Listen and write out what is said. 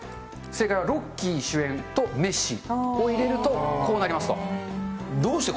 正解はロッキー主演と、メッシを入れると、こうなりました。